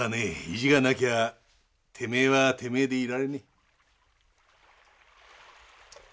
意地がなきゃてめえはてめえでいられねえ。